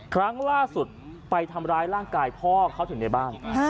ครั้งล่าสุดไปทำร้ายร่างกายพ่อเขาถึงในบ้าน